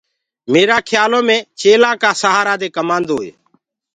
ميرآ کيآلو مي چيلآن ڪآ سهآرآ دي ڪمآندوئي